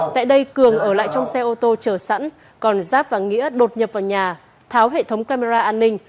tại đây cường ở lại trong xe ô tô chờ sẵn còn giáp và nghĩa đột nhập vào nhà tháo hệ thống camera an ninh